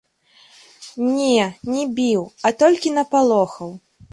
Не, не біў, а толькі напалохаў.